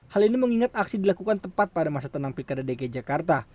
hal ini mengingat aksi dilakukan tepat pada masa tenang pilkada dki jakarta